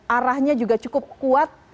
arahnya juga cukup kuat